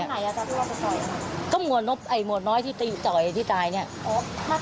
แต่ว่าทำไมหนดเหมือนกับชายต้องพูดว่าจะหยุ่งเหมือนกัน